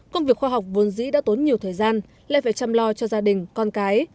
công việc khoa học vốn dĩ đã tốn nhiều thời gian lại phải chăm lo cho gia đình con cái